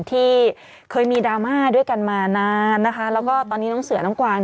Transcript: ที่เคยมีดราม่าด้วยกันมานานนะคะแล้วก็ตอนนี้น้องเสือน้องกวาง